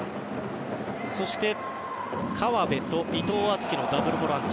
そして、川辺と伊藤敦樹のダブルボランチ。